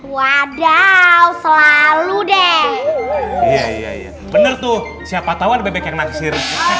wadaw selalu deh iya bener tuh siapa tau bebek yang nagsir